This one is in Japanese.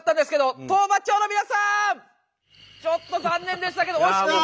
ちょっと残念でしたけど惜しくも。